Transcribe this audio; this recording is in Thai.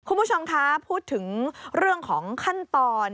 คุณผู้ชมคะพูดถึงเรื่องของขั้นตอน